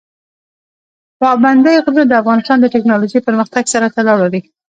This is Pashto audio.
پابندی غرونه د افغانستان د تکنالوژۍ پرمختګ سره تړاو لري.